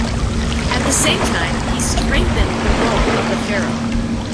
At the same time, he strengthened the role of the Pharaoh.